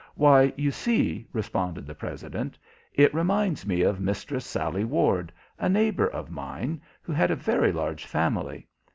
"Why, you see," responded the President, "it reminds me of Mistress Sallie Ward, a neighbour of mine, who had a very large family.